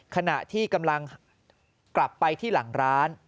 ขณะที่กำลังกลับไปที่หลังร้าน